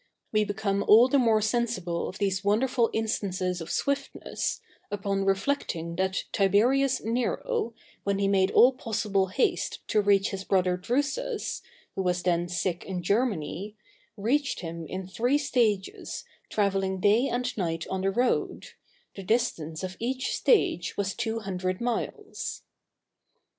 We become all the more sensible of these wonderful instances of swiftness, upon reflecting that Tiberius Nero, when he made all possible haste to reach his brother Drusus, who was then sick in Germany, reached him in three stages, travelling day and night on the road; the distance of each stage was two hundred miles.